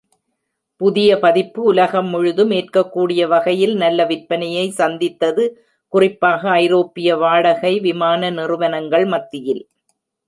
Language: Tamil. புதிய பதிப்பு உலகம் முழுதும் ஏற்கக்கூடிய வகையில் நல்ல விற்பனையை சந்தித்தது, குறிப்பாக ஐரோப்பிய வாடகை விமான நிறுவனங்கள் மத்தியில்.